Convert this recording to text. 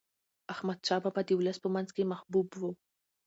احمد شاه بابا د ولس په منځ کې محبوب و.